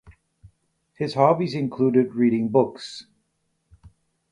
His hobbies included reading books.